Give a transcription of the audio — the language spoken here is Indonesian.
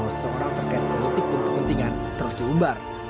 oleh seseorang terkait politik dan kepentingan terus diumbar